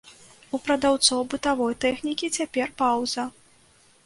У прадаўцоў бытавой тэхнікі цяпер паўза.